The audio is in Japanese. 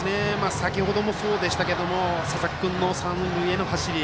先ほどもそうでしたけども佐々木君の三塁への走り。